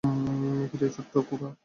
কীরে, ছোট্ট খোকা!